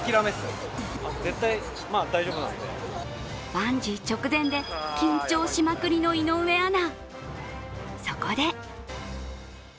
バンジー直前で緊張しまくりの井上アナ。